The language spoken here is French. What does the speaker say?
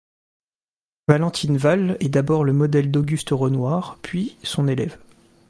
Valentine Val est d'abord le modèle d'Auguste Renoir, puis son élève.